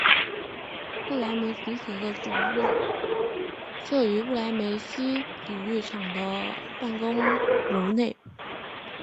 不来梅足协的总部设于不来梅威悉体育场的办公楼内。